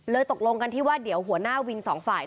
ตกลงกันที่ว่าเดี๋ยวหัวหน้าวินสองฝ่าย